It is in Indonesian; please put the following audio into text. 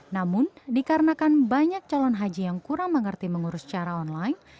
namun dikarenakan banyak calon haji yang kurang mengerti mengurus secara online